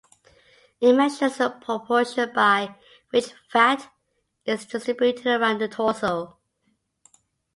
It measures the proportion by which fat is distributed around the torso.